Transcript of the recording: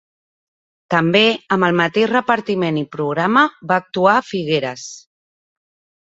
També, amb el mateix repartiment i programa, va actuar a Figueres.